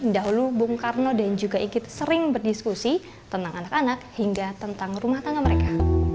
dahulu bung karno dan juga igit sering berdiskusi tentang anak anak hingga tentang rumah tangga mereka